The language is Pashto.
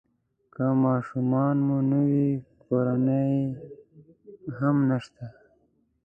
که ماشومان مو نه وي کورنۍ هم نشته.